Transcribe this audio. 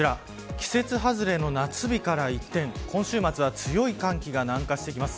季節外れの夏日から一転今週末は強い寒気が南下してきます。